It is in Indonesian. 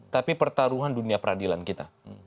tapi pertaruhan dunia peradilan kita